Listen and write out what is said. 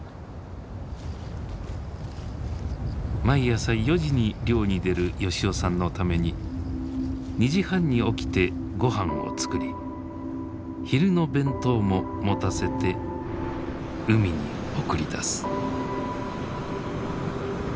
毎朝４時に漁に出る吉男さんのために２時半に起きてごはんを作り昼の弁当も持たせて海に送り出す。